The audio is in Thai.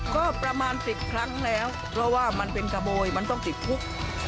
ก็ประมาณ๑๐ครั้งแล้วเพราะว่ามันเป็นขโมยมันต้องติดคุก